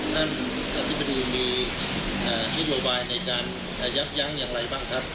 ถ้าที่ไปดูมีอ่าในการยับยั้งอย่างไรบ้างครับ